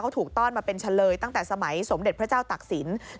เขาถูกต้อนมาเป็นเฉลยตั้งแต่สมัยสมเด็จพระเจ้าตักศิลป์